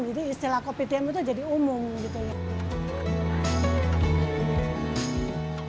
jadi istilah kopi tiam itu jadi umum gitu